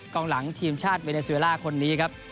กล่องหลังทีมชาติเวเนสเวลาคนนี้ครับ